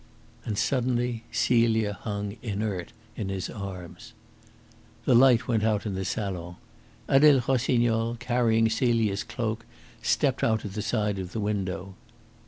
And suddenly Celia hung inert in his arms. The light went out in the salon. Adele Rossignol, carrying Celia's cloak, stepped out at the side of the window.